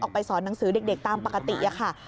ไปสอนหนังสือเด็กตามปกติค่ะ